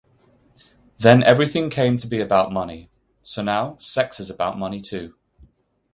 Then everything came to be about money: so now sex is about money, too.